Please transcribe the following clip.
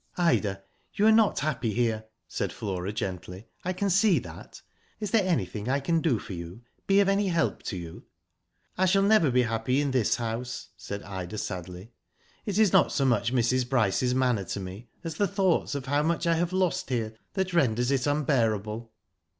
"Ida, you are not happy here," said Flora, gently. "I can see that. Is there anything I can do for you, be of any help to you ?"" I shall never be happy in this house," said Ida, sadly. "It is not so much Mrs. Bryce's manner to me, as the thoughts of how much I have lost here, that renders it unbearable."